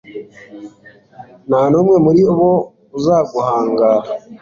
nta n'umwe muri bo uzaguhangara